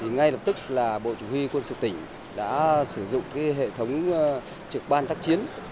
ngay lập tức bộ chỉ huy quân sự tỉnh đã sử dụng hệ thống trực ban tác chiến